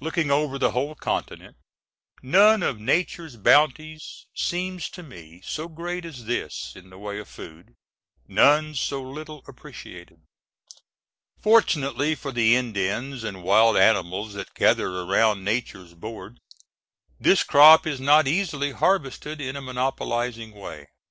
Looking over the whole continent, none of Nature's bounties seems to me so great as this in the way of food, none so little appreciated. Fortunately for the Indians and wild animals that gather around Nature's board, this crop is not easily harvested in a monopolizing way.